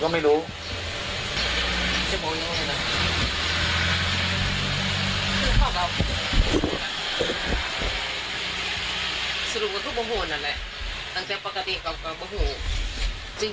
ไม่รู้เหมือนกันนี่หัวอีก็ไม่รู้